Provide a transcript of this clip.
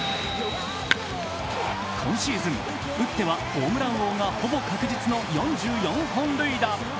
今シーズン、打ってはホームラン王がほぼ確実な４４本塁打。